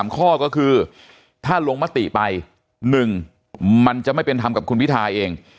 ข้อก็คือถ้าลงมติไป๑มันจะไม่เป็นธรรมกับคุณพิทาเอง